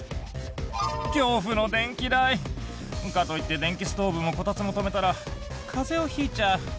恐怖の電気代！かといって電気ストーブもこたつも止めたら風邪を引いちゃう。